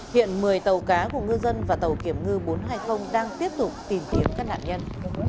hiện một mươi tàu cá của ngư dân và tàu kiểm ngư bốn trăm hai mươi đang tiếp tục tìm kiếm các nạn nhân